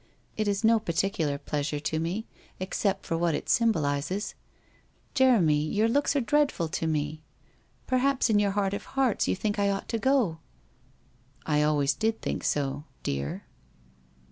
It is no particular pleasure to me, except for what it symbolizes. Jeremy, your looks are dreadful to me. Perhaps in your heart of hearts, you think I ought to go ?'' I always did think so — dear.'